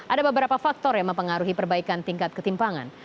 ada beberapa faktor yang mempengaruhi perbaikan tingkat ketimpangan